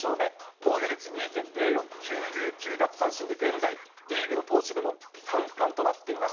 防御率２．０４、９９奪三振で現在、リーグの投手部門３冠となっています。